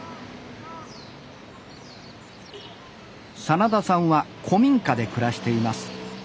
真田さんは古民家で暮らしています。